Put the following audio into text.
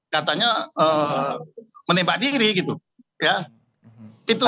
katanya menembak diri gitu ya